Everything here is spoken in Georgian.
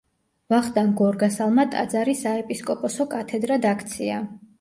ვახტანგ გორგასალმა ტაძარი საეპისკოპოსო კათედრად აქცია.